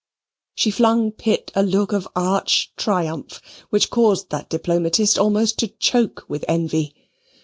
She flung Pitt a look of arch triumph, which caused that diplomatist almost to choke with envy.